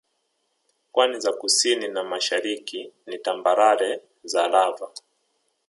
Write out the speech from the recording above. Pwani za kusini na mashariki ni tambarare za Lava